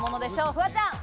フワちゃん。